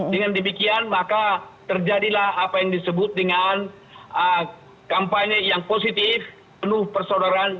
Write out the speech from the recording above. dengan demikian maka terjadilah apa yang disebut dengan kampanye yang positif penuh persaudaraan